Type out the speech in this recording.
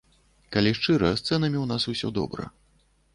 Калі шчыра, з цэнамі ў нас усё добра.